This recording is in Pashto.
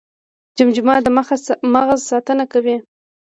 جمجمه د مغز ساتنه کوي